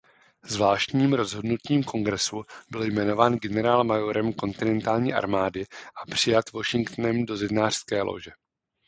Zvláštním rozhodnutím Kongresu byl jmenován generálmajorem kontinentální armády a přijat Washingtonem do zednářské lóže.